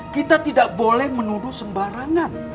kita tidak boleh menuduh sembarangan